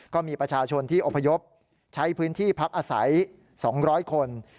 ก็มีประชาชนที่อพยพใช้พื้นที่พักอาศัย๒๐๐คน